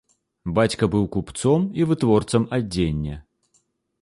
Бацька быў купцом і вытворцам адзення.